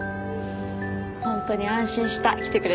ホントに安心した。来てくれて。